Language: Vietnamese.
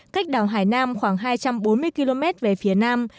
cách đảo hải nam khoảng hai trăm bốn mươi km về phía nam